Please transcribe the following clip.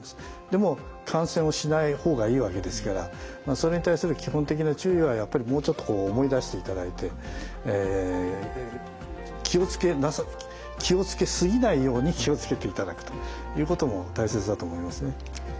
でも感染をしない方がいいわけですからそれに対する基本的な注意はやっぱりもうちょっと思い出していただいて気をつけ過ぎないように気をつけていただくということも大切だと思いますね。